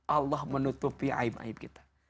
allah menutupi aib aib kita